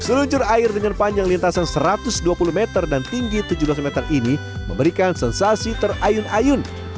seluncur air dengan panjang lintasan satu ratus dua puluh meter dan tinggi tujuh belas meter ini memberikan sensasi terayun ayun